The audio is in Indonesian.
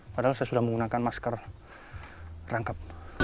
padahal saya sudah menggunakan masker rangkap